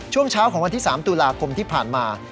ช่วงเช้าของวันที่๓ตุลาคมที่ผ่านมา